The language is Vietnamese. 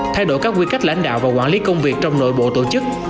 thay đổi các quy cách lãnh đạo và quản lý công việc trong nội bộ tổ chức